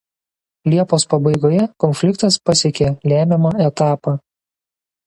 Liepos pabaigoje konfliktas pasiekė lemiamą etapą.